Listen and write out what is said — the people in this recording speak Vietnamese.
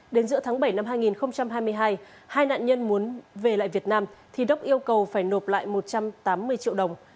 đến giữa tháng bảy năm hai nghìn hai mươi hai hai nạn nhân muốn về lại việt nam thì đốc yêu cầu phải nộp lại một trăm tám mươi triệu đồng